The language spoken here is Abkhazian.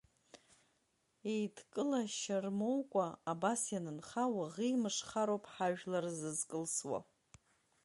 Еидкылашьа рмоукәа, абас ианынха, уаӷеимшхароуп ҳажәлар зызкылсуа.